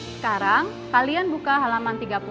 sekarang kalian buka halaman tiga puluh